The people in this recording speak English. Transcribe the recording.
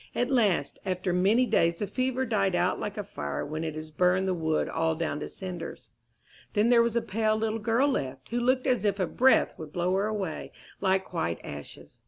At last, after many days, the fever died out like a fire when it has burned the wood all down to cinders. Then there was a pale little girl left, who looked as if a breath would blow her away like white ashes.